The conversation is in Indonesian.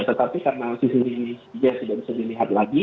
tetapi karena sisi dia sudah bisa dilihat lagi